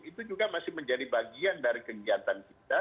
itu juga masih menjadi bagian dari kegiatan kita